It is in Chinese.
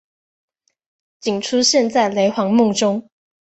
仅出现在雷凰梦中。